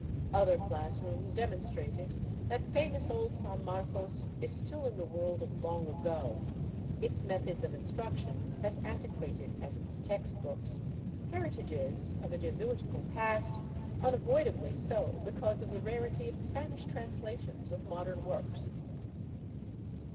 Other class rooms demonstrated that famous old San Marcos is still in the world of 'long ago, its methods of instruction as antiquated as its text books, heritages of a Jesuitical past, unavoidably so because of the rarity of Spanish translations of modern works.